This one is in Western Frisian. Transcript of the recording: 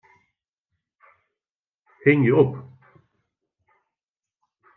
Hingje op.